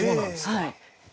はい。